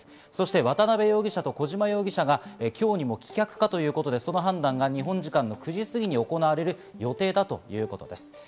渡辺容疑者と小島容疑者が今日にも棄却かということで、その判断が日本時間９時過ぎに行われる予定だということです。